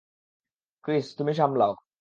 Chris, তুমি সামলাও।